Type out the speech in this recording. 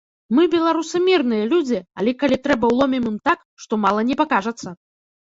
Мы, беларусы, мірныя людзі, але, калі трэба, уломім ім так, што мала не пакажацца.